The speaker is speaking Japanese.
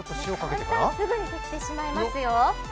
簡単、すぐにできてしまいますよ。